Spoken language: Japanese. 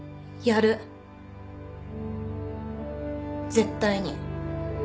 絶対に。